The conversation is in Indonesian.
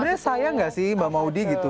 tapi sebenarnya sayang nggak sih mbak maudie gitu